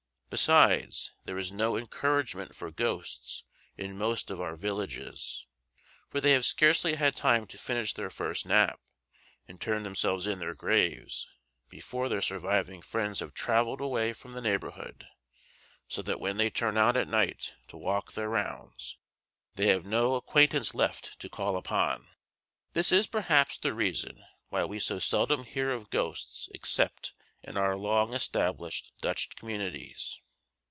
Besides, there is no encouragement for ghosts in most of our villages, for they have scarcely had time to finish their first nap and turn themselves in their graves before their surviving friends have travelled away from the neighborhood; so that when they turn out at night to walk their rounds they have no acquaintance left to call upon. This is perhaps the reason why we so seldom hear of ghosts except in our long established Dutch communities.